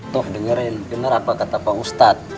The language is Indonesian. tuh dengerin bener apa kata pak ustadz